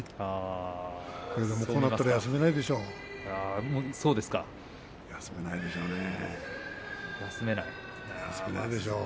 こうなったら休みたいでしょう。